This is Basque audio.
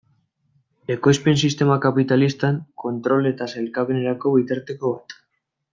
Ekoizpen sistema kapitalistan, kontrol eta sailkapenerako bitarteko bat.